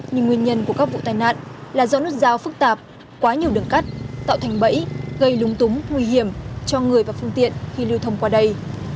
nhưng nguyên nhân của các vụ tai nạn là do nút giao phức tạp quá nhiều đường cắt tạo thành bẫy gây lung túng nguy hiểm cho người và phương tiện khi lưu thông qua đây